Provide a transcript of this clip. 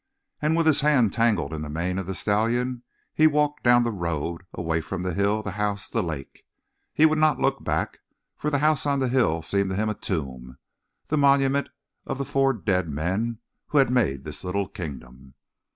And with his hand tangled in the mane of the stallion, he walked down the road, away from the hill, the house, the lake. He would not look back, for the house on the hill seemed to him a tomb, the monument of the four dead men who had made this little kingdom.